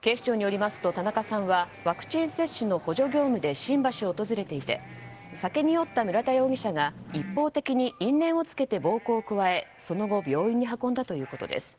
警視庁によりますと田中さんはワクチン接種の補助業務で新橋を訪れていて酒に酔った村田容疑者が一方的に因縁をつけて暴行を加えその後病院に運んだということです。